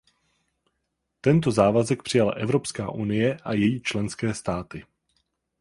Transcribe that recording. Tento závazek přijala Evropská unie a její členské státy.